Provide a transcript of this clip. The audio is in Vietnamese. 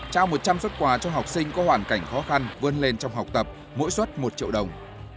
trao một trăm linh xuất quà cho học sinh có hoàn cảnh khó khăn vươn lên trong học tập mỗi suất một triệu đồng